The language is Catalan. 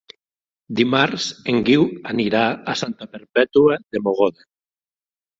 Dimarts en Guiu anirà a Santa Perpètua de Mogoda.